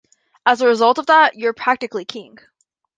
As a result of that you are practically King.